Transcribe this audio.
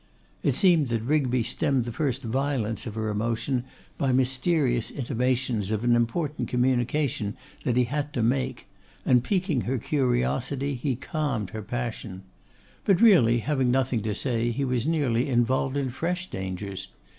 It seemed that Rigby stemmed the first violence of her emotion by mysterious intimations of an important communication that he had to make; and piquing her curiosity, he calmed her passion. But really having nothing to say, he was nearly involved in fresh dangers.